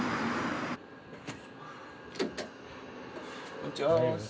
こんにちは。